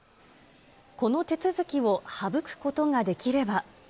この手続きを省くことができれば。